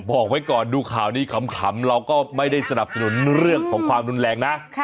บอกไว้ก่อนดูข่าวนี้ขำเราก็ไม่ได้สนับสนุนเรื่องของความรุนแรงนะ